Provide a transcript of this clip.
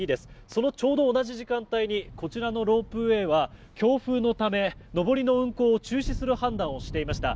その、ちょうど同じ時間帯にこちらのロープウェーは強風のため、上りの運行を中止する判断をしていました。